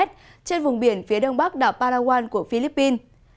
trên vùng biển phía đông bắc đảo parawan của philippines